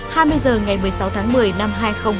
hai mươi h ngày một mươi sáu tháng một mươi năm hai nghìn hai mươi